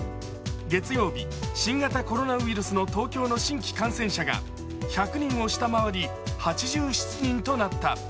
月曜日、新型コロナウイルスの東京の新規感染者が１００人を下回り８７人となった。